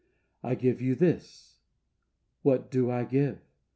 'I give you this.' What do I give?